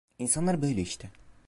İnsanlar böyle işte…